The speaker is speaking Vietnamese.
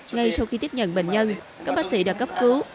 ngay sau khi tiếp nhận bệnh nhân các bác sĩ đã cấp cứu